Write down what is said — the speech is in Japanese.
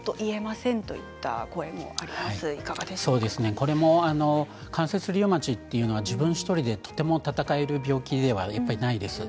これも関節リウマチというのは自分１人でとても闘える病気ではないんですね。